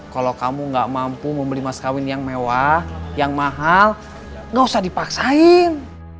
kalo kamu gak mampu membeli mas kawin yang mewah yang mahal gak usah dipaksain